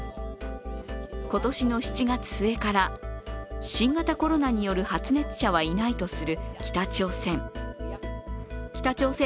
今年の７月末から、新型コロナによる発熱者はいないとする北朝鮮。